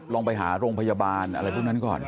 ลองไปหาโรงพยาบาลอะไรพวกนั้นก่อน